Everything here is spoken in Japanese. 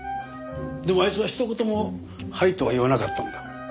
でもあいつは一言も「はい」とは言わなかったんだ。